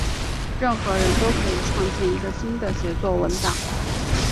任何人都可以创建一个新的协作文档。